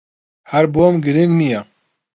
ھەر بۆم گرنگ نییە.